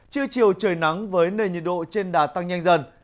trưa chiều trời nắng với nền nhiệt độ trên đà tăng nhanh dần